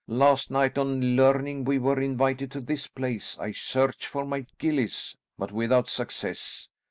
Last night on learning we were invited to this place, I searched for my gillies, but without success.